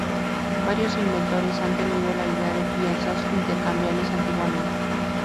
Varios inventores han tenido la idea de piezas intercambiables antiguamente.